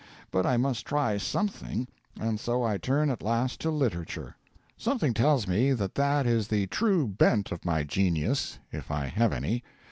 But I must try something, and so I turn at last to literature. Something tells me that that is the true bent of my genius, if I have any.